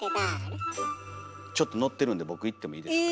ちょっとノってるんで僕いってもいいですか？